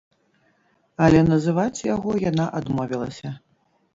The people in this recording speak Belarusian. Але называць яго яна адмовілася.